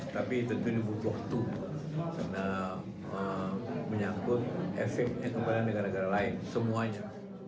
tapi tentu di butuh waktu karena menyangkut efek yang kembali negara negara lain semuanya